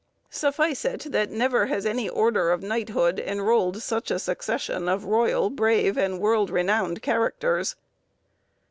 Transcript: Suffice it, that never has any order of knighthood enrolled such a succession of royal, brave, and world renowned characters.